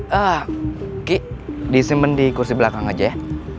geki disimpan di kursi belakang aja ya